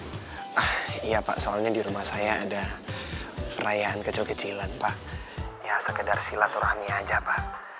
hai ah iya pak soalnya di rumah saya ada perayaan kecil kecilan pak ya sekedar silaturahmi aja pak